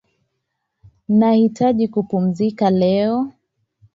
Nahitaji kupumzika leo